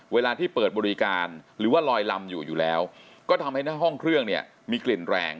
เวลาที่เปิดบริการหรือว่าลอยลำอยู่อยู่แล้วก็ทำให้หน้าห้องเครื่องเนี่ยมีกลิ่นแรง